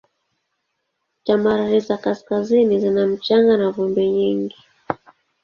Tambarare za kaskazini zina mchanga na vumbi nyingi.